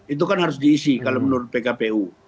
itu kan harus diisi kalau menurut pkpu